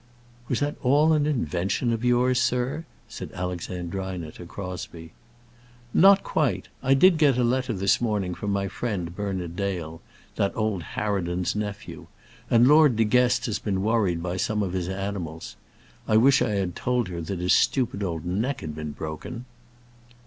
"Was that all an invention of yours, sir?" said Alexandrina to Crosbie. "Not quite. I did get a letter this morning from my friend Bernard Dale, that old harridan's nephew; and Lord De Guest has been worried by some of his animals. I wish I had told her that his stupid old neck had been broken."